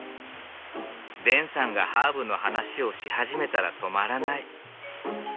デンさんがハーブの話をし始めたら止まらない。